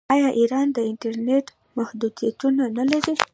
آیا ایران د انټرنیټ محدودیتونه نلري؟